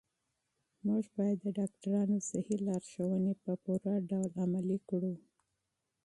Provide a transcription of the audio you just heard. موږ باید د ډاکترانو صحي لارښوونې په پوره ډول عملي کړو.